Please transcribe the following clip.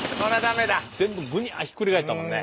全部グニャひっくり返ったもんね。